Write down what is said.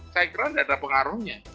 saya kira tidak ada pengaruhnya